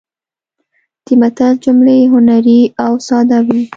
د متل جملې هنري او ساده وي